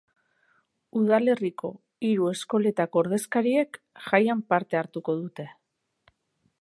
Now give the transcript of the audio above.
Udalerriko hiru eskoletako ordezkariek jaian parte hartuko dute.